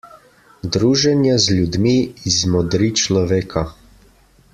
Druženje z ljudmi izmodri človeka.